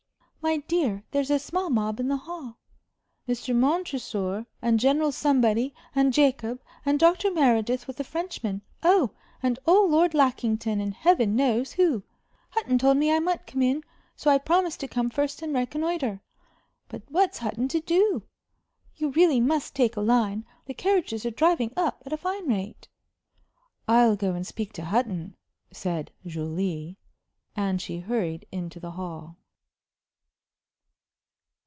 "My dear, there's a small mob in the hall. Mr. Montresor and General Somebody and Jacob and Dr. Meredith with a Frenchman. Oh, and old Lord Lackington, and Heaven knows who! Hutton told me I might come in, so I promised to come first and reconnoitre. But what's Hutton to do? You really must take a line. The carriages are driving up at a fine rate." "I'll go and speak to Hutton," said Julie. And she hurried into the hall.